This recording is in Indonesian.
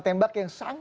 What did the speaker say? yang sangat terbuka